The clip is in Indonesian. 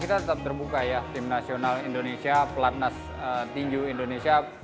kita tetap terbuka ya tim nasional indonesia pelatnas tinju indonesia